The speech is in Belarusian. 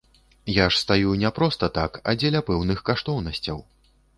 Я ж стаю не проста так, а дзеля пэўных каштоўнасцяў.